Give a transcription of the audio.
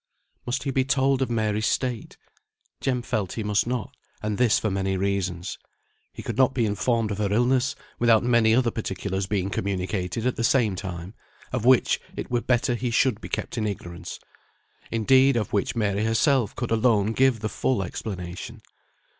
Must he be told of Mary's state? Jem felt he must not; and this for many reasons. He could not be informed of her illness without many other particulars being communicated at the same time, of which it were better he should be kept in ignorance; indeed, of which Mary herself could alone give the full explanation.